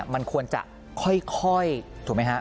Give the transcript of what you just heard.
มันควรจะค่อยถูกไหมฮะ